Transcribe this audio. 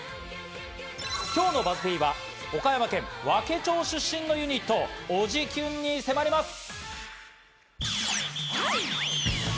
今日のＢＵＺＺ−Ｐは岡山県和気町出身のユニット、おじキュン！に迫ります。